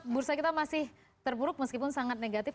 bursa kita masih terburuk meskipun sangat negatif